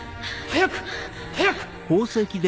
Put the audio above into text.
早く！早く！